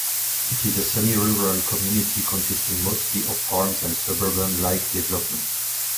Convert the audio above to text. It is a semi-rural community consisting mostly of farms and suburban-like developments.